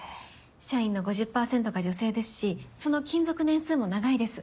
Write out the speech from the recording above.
社員の５０％が女性ですしその勤続年数も長いです。